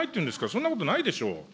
そんなことないでしょう。